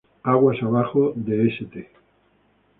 Aguas abajo de St.